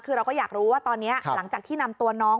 คือเราก็อยากรู้ว่าตอนนี้หลังจากที่นำตัวน้อง